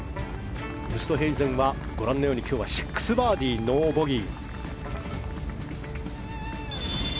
ウーストヘイゼンはご覧のように今日は６バーディーノーボギー。